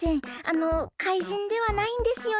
あの怪人ではないんですよね？